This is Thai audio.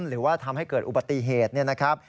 หรือว่าทำให้เกิดอุบัติเหตุเนี่ยนะครับ